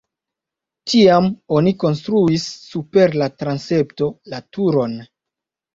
Tiam oni konstruis super la transepto la turon.